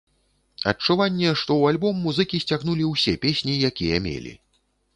Адчуванне, што ў альбом музыкі сцягнулі ўсе песні, якія мелі.